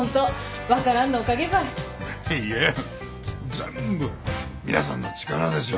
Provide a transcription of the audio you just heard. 全部皆さんの力ですよ。